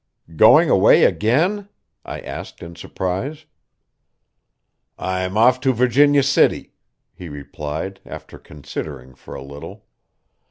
"Going away again?" I asked in surprise. "I'm off to Virginia City," he replied after considering for a little.